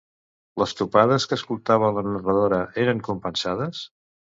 Les topades que escoltava la narradora eren compassades?